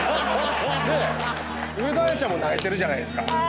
で上戸彩ちゃんも泣いてるじゃないですか。